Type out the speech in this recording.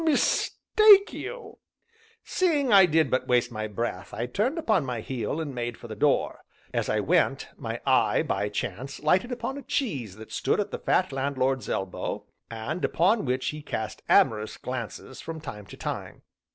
mistake you!" Seeing I did but waste my breath, I turned upon my heel, and made for the door. As I went, my eye, by chance, lighted upon a cheese that stood at the fat landlord's elbow, and upon which he cast amorous glances from time to time.